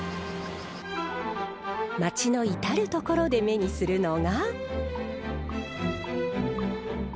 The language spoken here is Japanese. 街の至る所で目にするのが。